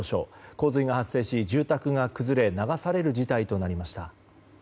洪水が発生し住宅が崩れ流される事態となりました。